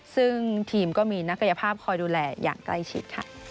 ซึ่งทีมก็มีนักกายภาพคอยดูแลอย่างใกล้ชิดค่ะ